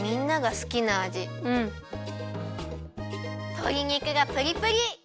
とり肉がプリプリ！